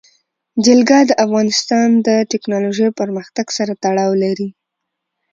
جلګه د افغانستان د تکنالوژۍ پرمختګ سره تړاو لري.